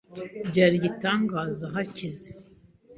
Byari igitangaza yakize.